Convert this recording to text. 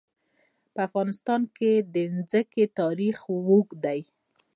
په افغانستان کې د ځمکه تاریخ اوږد دی.